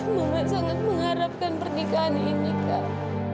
saya sangat mengharapkan pernikahan ini kak